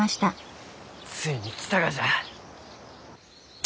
ついに来たがじゃ。